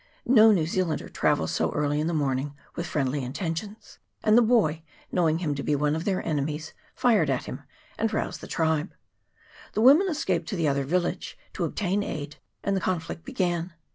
No New Zealander travels so early in the morning with friendly intentions, and the boy, knowing him to be one of their enemies, fired at him, and roused the tribe. The women escaped to the other village, to obtain aid, and the conflict began.